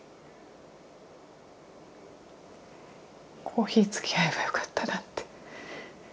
コーヒーつきあえばよかったなって。